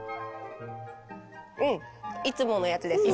うんいつものやつです。